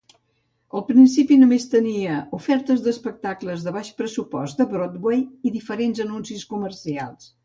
Al principi només tenia ofertes d'espectacles de baix pressupost de Broadway i diferents anuncis comercials.